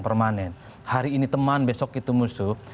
permanen hari ini teman besok itu musuh